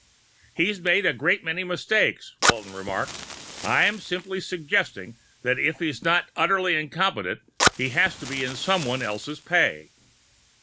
"He's made a great many mistakes," Walton remarked. "I'm simply suggesting that if he's not utterly incompetent he must be in someone else's pay."